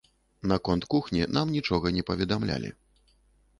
Наконт кухні нам нічога не паведамлялі.